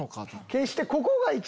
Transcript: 決して。